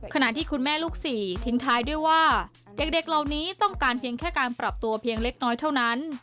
ขณะที่คุณแม่ลูกสี่ทิ้งท้ายด้วยว่าเด็กเหล่านี้ต้องการเพียงแค่การปรับตัวเพียงเล็กน้อยเท่านั้น